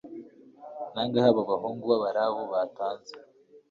Nangahe aba bahungu b'Abarabu Batanze